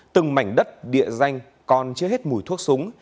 từng mảnh đất địa danh còn chưa hết mùi thuốc súng